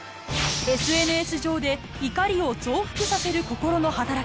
ＳＮＳ上で怒りを増幅させる心の働き